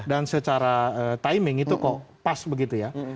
secara timing itu kok pas begitu ya